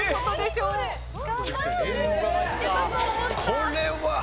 これは。